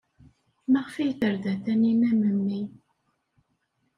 Maɣef ay terda Taninna memmi?